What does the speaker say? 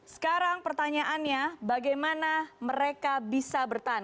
sekarang pertanyaannya bagaimana mereka bisa bertahan